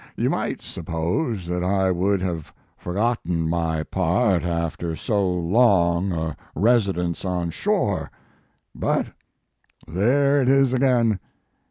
You might suppose that I would have forgotten my part after so long a residence on shore. But there it is again.